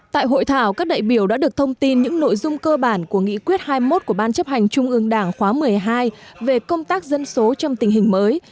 tại hội thảo các đại biểu đã được thông tin những nội dung cơ bản của nghị quyết hai mươi một của ban chấp hành trung ương đảng khóa một mươi hai về công tác dân số trong tình hình mới